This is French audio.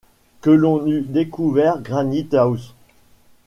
que l’on eût découvert Granite-house !